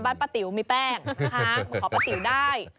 ป้าติ๋วมีแป้งนะคะขอป้าติ๋วได้